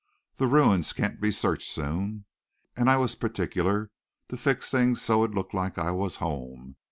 The ruins can't be searched soon. And I was particular to fix things so it'd look like I was home.